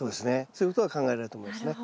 そういうことが考えられると思いますね。